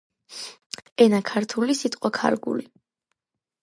ენა ქართული სიტყვაქარგული.